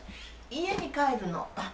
家に帰るの。